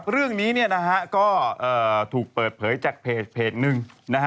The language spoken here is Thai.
เรื่องนี้ก็ถูกเปิดเผยจากเพจหนึ่ง